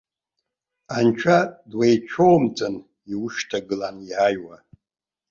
Анцәа дуеицәоумтәын иушьҭагылан иааиуа.